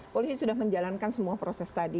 polisi sudah menjalankan semua proses tadi